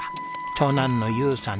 長男の悠さん